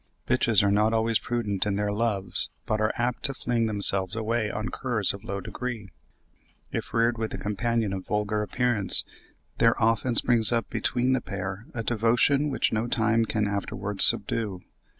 Bitches are not always prudent in their loves, but are apt to fling themselves away on curs of low degree. If reared with a companion of vulgar appearance, there often springs up between the pair a devotion which no time can afterwards subdue.